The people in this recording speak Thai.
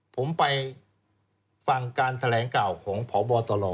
ผมไปฟังการแถลงข่าวของพบตล